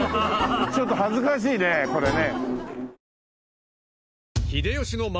ちょっと恥ずかしいねこれね。